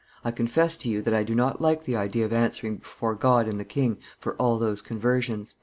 I confess to you that I do not like the idea of answering before God and the king for all those conversions."